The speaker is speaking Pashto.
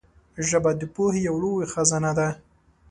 ژبه د پوهې یو لوی خزانه ده